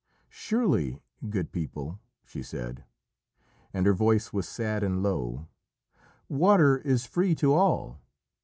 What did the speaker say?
"Surely, good people," she said, and her voice was sad and low, "water is free to all.